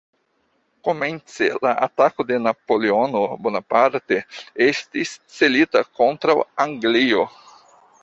Komence la atako de Napoleono Bonaparte estis celita kontraŭ Anglio.